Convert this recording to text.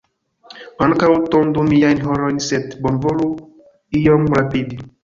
Ankaŭ tondu miajn harojn, sed bonvolu iom rapidi.